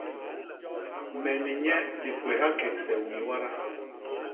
Me ni nye di kwéha kégse ñwii wada.